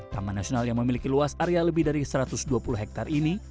taman nasional yang memiliki luas area lebih dari satu ratus dua puluh hektare ini